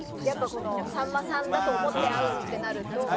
やっぱこのさんまさんだと思って会うってなると。